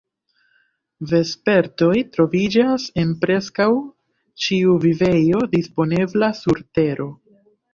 Vespertoj troviĝas en preskaŭ ĉiu vivejo disponebla sur Tero.